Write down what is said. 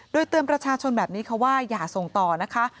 โดยเตือนประชาชนแบบนี้ค่ะว่าอย่าส่งต่อนะคะ